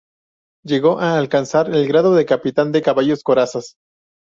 Llegó a alcanzar el grado de capitán de caballos corazas.